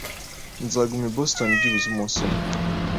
Nzaguma i Boston byibuze umunsi umwe.